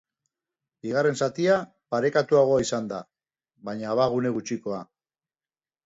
Bigarren zatia parekatuagoa izan da, baina abagune gutxikoa.